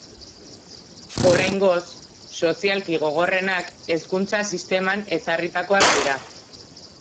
Oriangoz, sozialki gogorrenak hezkuntza sisteman ezarritakoak dira.